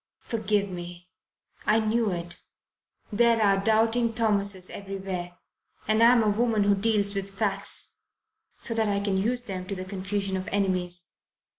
"Forgive me I knew it there are doubting Thomases everywhere and I'm a woman who deals with facts, so that I can use them to the confusion of enemies.